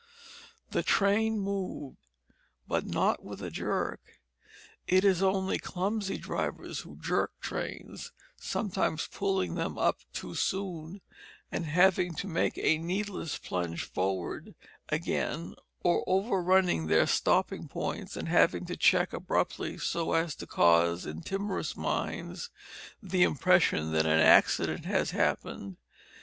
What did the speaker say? The train moved, but not with a jerk; it is only clumsy drivers who jerk trains; sometimes pulling them up too soon, and having to make a needless plunge forward again, or overrunning their stopping points and having to check abruptly, so as to cause in timorous minds the impression that an accident has happened.